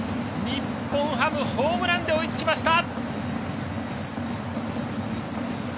日本ハム、ホームランで追いつきました！